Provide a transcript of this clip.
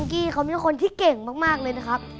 คุณกี้เขามีคนที่เก่งมากเลยนะครับ